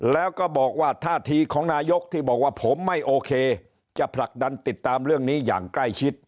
แล้วก็บอกว่าท่าทีของนายกที่บอกว่าผมไม่โอเคจะผลักดันติดตามเรื่องนี้อย่างใกล้ชิด